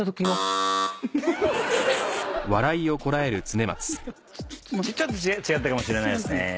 そして「えん」ちょっと違ったかもしれないですね。